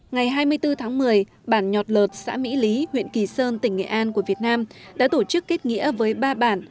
ngày hai mươi bốn tháng một mươi bản nhọt lợt xã mỹ lý huyện kỳ sơn tỉnh nghệ an của việt nam đã tổ chức kết nghĩa với ba bản